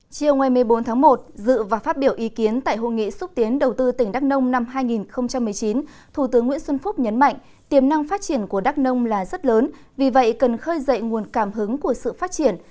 chiều ngày một mươi bốn tháng một dự và phát biểu ý kiến tại hội nghị xúc tiến đầu tư tỉnh đắk nông năm hai nghìn một mươi chín thủ tướng nguyễn xuân phúc nhấn mạnh tiềm năng phát triển của đắk nông là rất lớn vì vậy cần khơi dậy nguồn cảm hứng của sự phát triển